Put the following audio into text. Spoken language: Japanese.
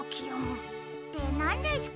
ってなんですか？